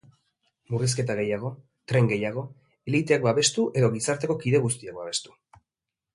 Murrizketa gehiago, tren gehiago, eliteak babestu edo gizarteko kide guztiak babestu?